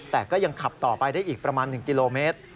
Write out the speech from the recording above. แต่ก็ยังขับต่อไปได้อีกประมาณ๑กิโลเมตร